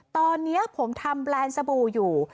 ตอนนี้ผมทำแบรนด์สบู่อยู่